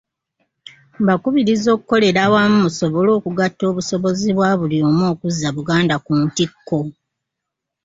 Mbakubiriza okukolera awamu musobole okugatta obusobozi bwa buli omu okuzza Buganda ku ntikko.